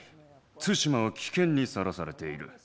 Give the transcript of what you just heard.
対馬は危険にさらされている。